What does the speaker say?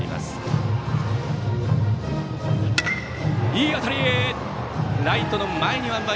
いい当たり！